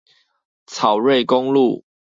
草瑞公路